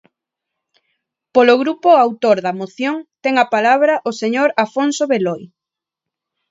Polo grupo autor da moción, ten a palabra o señor Afonso Beloi.